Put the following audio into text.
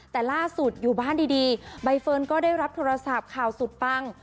แต่ล่าสุดอยู่บ้านดีใบเฟิร์นก็ได้รับโทรศัพท์ข่าวสุดปัง